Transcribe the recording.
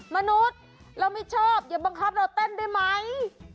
มนุษย์เราไม่ชอบอย่าบังคับเราเต้นได้ไหม